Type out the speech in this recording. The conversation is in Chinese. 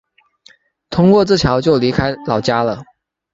通过这桥就离开老家了